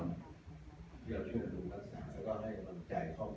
ที่เราช่วยดูภาษาแล้วก็ให้รันใจครอบครัว